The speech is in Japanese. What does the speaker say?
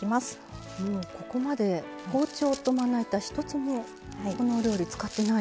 ここまで包丁とまな板一つもこのお料理使ってないですね。